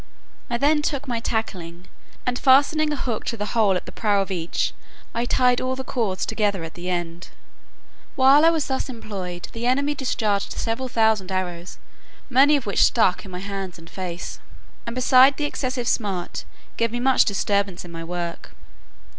I then took my tackling, and, fastening a hook to the hole at the prow of each, I tied all the cords together at the end. While I was thus employed, the enemy discharged several thousand arrows, many of which stuck in my hands and face, and, beside the excessive smart, gave me much disturbance in my work.